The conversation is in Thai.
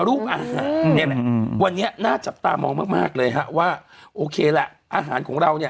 ไม่ใช่ผมก็ลอง